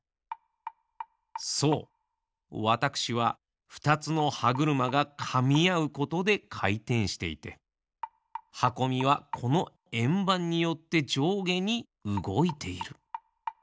そうわたくしはふたつのはぐるまがかみあうことでかいてんしていてはこみはこのえんばんによってじょうげにうごいている。